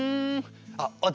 あっ私？